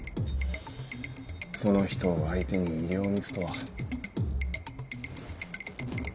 その人を相手に医療ミスとは。